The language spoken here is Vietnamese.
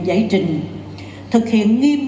giải trình thực hiện nghiêm